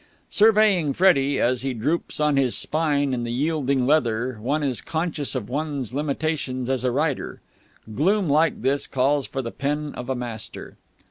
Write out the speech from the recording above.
Surveying Freddie, as he droops on his spine in the yielding leather, one is conscious of one's limitations as a writer. Gloom like his calls for the pen of a master.